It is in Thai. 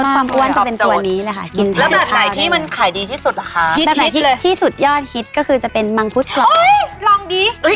ตอนนี้เป็นของทางเล่นที่มีประโยชน์แล้วเขาไม่อ้วนด้วย